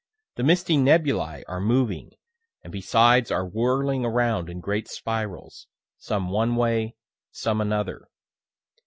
The misty nebulae are moving, and besides are whirling around in great spirals, some one way, some another.